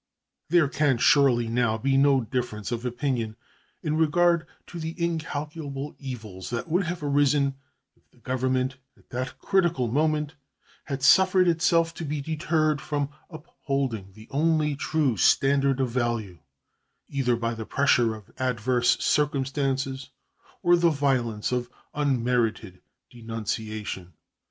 There can surely now be no difference of opinion in regard to the incalculable evils that would have arisen if the Government at that critical moment had suffered itself to be deterred from upholding the only true standard of value, either by the pressure of adverse circumstances or the violence of unmerited denunciation.